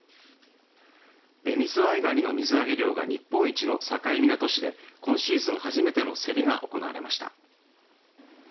ベニズワイガニの水揚げ量が日本一の境港市で今シーズン初めての競りが行われました。